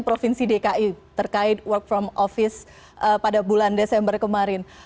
provinsi dki terkait work from office pada bulan desember kemarin